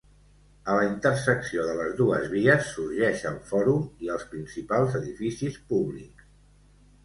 A la intersecció de les dues vies sorgeix el fòrum i els principals edificis públics.